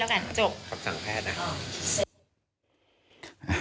แล้วนี่ลืมไปว่านั้น